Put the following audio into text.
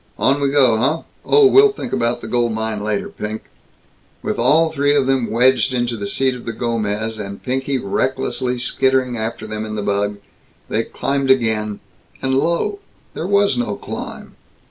On we go. Huh? Oh, we'll think about the gold mine later, Pink." With the three of them wedged into the seat of the Gomez, and Pinky recklessly skittering after them in the bug, they climbed again and lo! there was no climb!